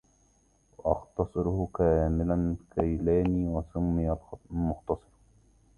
واختصره كامل الكيلاني وسمى المختصر